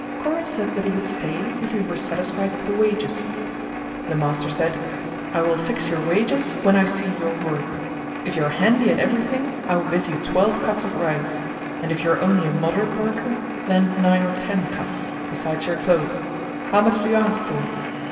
Kora said that he would stay if he were satisfied with the wages. The master said "I will fix your wages when I see your work; if you are handy at every thing I will give you 12 Kats of rice and if you are only a moderate worker then 9 or 10 Kats besides your clothes. How much do you ask for?"